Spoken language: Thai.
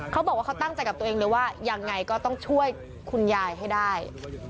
เขาบอกว่าเขาตั้งใจกับตัวเองเลยว่ายังไงก็ต้องช่วยคุณยายให้ได้